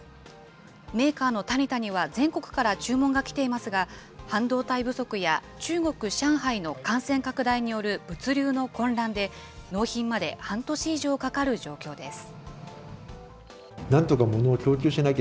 メーカーのタニタには、全国から注文が来ていますが、半導体不足や中国・上海の感染拡大による物流の混乱で、納品まで半年以上かかる状況です。